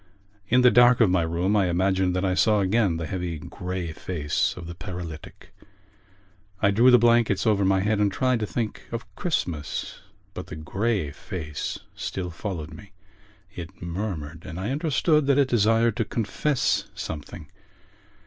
In the dark of my room I imagined that I saw again the heavy grey face of the paralytic. I drew the blankets over my head and tried to think of Christmas. But the grey face still followed me. It murmured; and I understood that it desired to confess something.